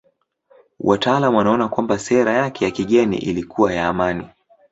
Wataalamu wanaona kwamba sera yake ya kigeni ilikuwa ya amani.